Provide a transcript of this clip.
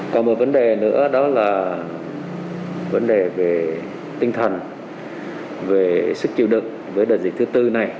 còn một vấn đề nữa đó là vấn đề về tinh thần về sức chịu đựng với đợt dịch thứ tư này